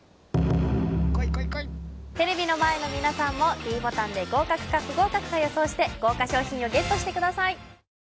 テレビの前の皆さんもｄボタンで合格か不合格か予想して豪華賞品をＧＥＴしてください